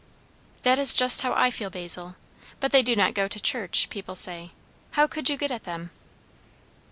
'" "That is just how I feel, Basil. But they do not go to church, people say; how could you get at them?"